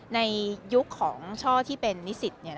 ในยุคของช่อที่เป็นนิสิต